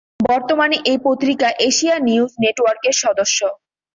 বর্তমানে এই পত্রিকা এশিয়া নিউজ নেটওয়ার্কের সদস্য।